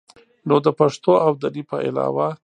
نو د پښتو او دري په علاوه